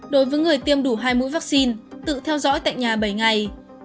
đối với người tiêm đủ hai mũi vắc xin tự theo dõi tại nhà bảy ngày